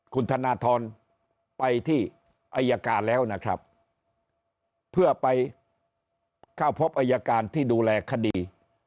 คุณธนทรไปที่อายการแล้วนะครับเพื่อไปเข้าพบอายการที่ดูแลคดี